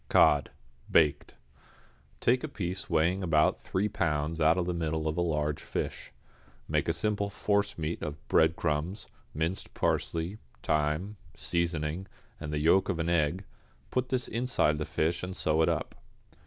=Cod, Baked.= Take a piece weighing about three pounds out of the middle of a large fish. Make a simple forcemeat of breadcrumbs, minced parsley, thyme, seasoning, and the yolk of an egg; put this inside the fish and sew it up.